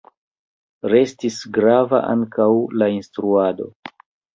Restis grava ankaŭ la instruado.